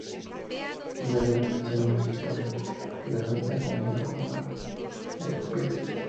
Un viajero ingresado en un hospital relata su enfrentamiento con una familia de vampiros.